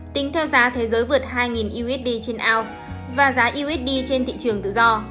tính theo giá thế giới vượt hai usd trên ounce và giá usd trên thị trường tự do